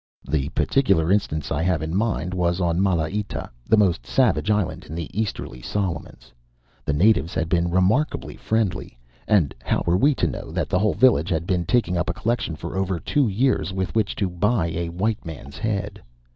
The particular instance I have in mind was on Malaita, the most savage island in the easterly Solomons. The natives had been remarkably friendly; and how were we to know that the whole village had been taking up a collection for over two years with which to buy a white man's head?